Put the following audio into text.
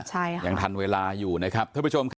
ใช่ค่ะทุกผู้ชมค่ะยังทันเวลาอยู่นะครับ